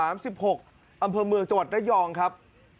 อำเภอเมืองจวัดนายองครับ